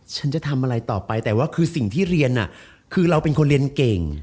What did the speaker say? ฉันจะทำอะไรต่อไปแต่ว่าคือสิ่งที่เรียนคือเราเป็นคนเรียนเก่ง